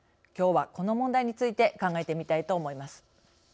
この問題について考えてみたいと思います。